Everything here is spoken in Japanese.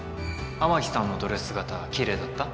雨樹さんのドレス姿綺麗だった？